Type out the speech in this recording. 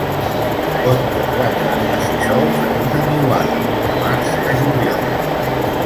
Pon de quatre a sis ous en una niuada, de març a juliol.